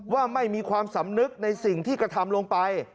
ว่าไม่มีความสำนึกในสิ่งที่กระทำลงไป